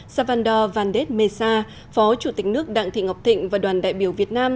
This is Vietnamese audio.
salvador valdes mesa phó chủ tịch nước đặng thị ngọc thịnh và đoàn đại biểu việt nam